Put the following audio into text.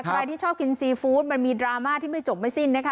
ใครที่ชอบกินซีฟู้ดมันมีดราม่าที่ไม่จบไม่สิ้นนะคะ